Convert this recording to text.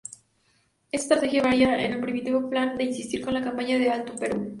Esta estrategia variaba el primitivo plan de insistir con la Campaña del Alto Perú.